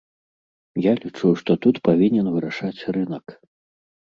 Я лічу, што тут павінен вырашаць рынак.